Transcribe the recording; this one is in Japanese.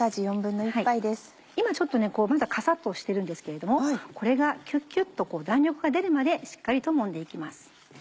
今ちょっとまだカサっとしてるんですけれどもこれがキュっキュっと弾力が出るまでしっかりともんで行きます。